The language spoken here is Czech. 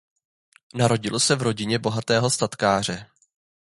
Narodil se v rodině bohatého statkáře.